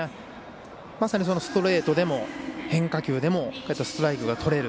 まさに、ストレートでも変化球でも、ストライクがとれる。